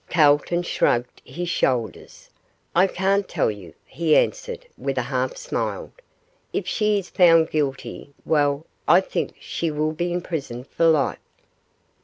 Calton shrugged his shoulders. 'I can't tell you,' he answered, with a half smile; 'if she is found guilty well I think she will be imprisoned for life.